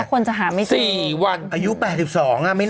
แล้วคนจะหาไม่ถึง๔วัน